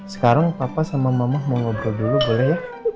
sekarang papa sama mama mau ngobrol dulu boleh ya